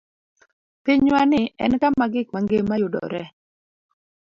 Pinywani en kama gik ma ngima yudoree.